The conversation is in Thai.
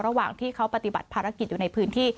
ระหว่างที่เขาปฏิบัติภารกิจอยู่ในพื้นที่